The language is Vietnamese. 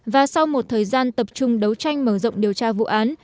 và sau một thời gian tập trung đấu tranh mở rộng điều tra vụ án